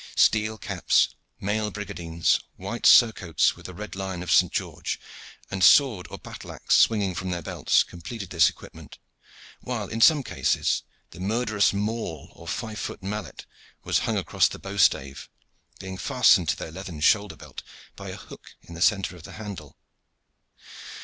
Steel caps, mail brigandines, white surcoats with the red lion of St. George, and sword or battle axe swinging from their belts, completed this equipment, while in some cases the murderous maule or five foot mallet was hung across the bowstave, being fastened to their leathern shoulder belt by a hook in the centre of the handle.